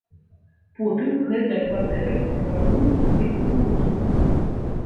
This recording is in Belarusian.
Потым гэтыя кватэры прапануюць набыць беларусам.